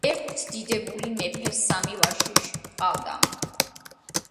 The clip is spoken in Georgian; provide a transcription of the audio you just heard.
ერთ დიდებული მეფეს სამი ვაჟი ჰყავდა